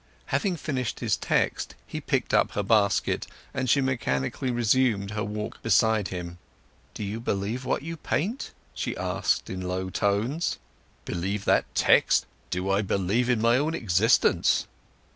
Having finished his text he picked up her basket, and she mechanically resumed her walk beside him. "Do you believe what you paint?" she asked in low tones. "Believe that tex? Do I believe in my own existence!"